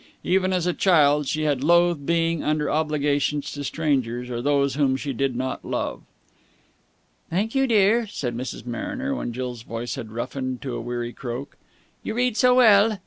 Even as a child she had loathed being under obligations to strangers or those whom she did not love. "Thank you, dear," said Mrs. Mariner, when Jill's voice had roughened to a weary croak. "You read so well."